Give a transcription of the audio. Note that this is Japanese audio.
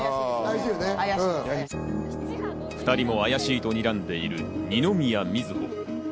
２人も怪しいと睨んでいる二宮瑞穂。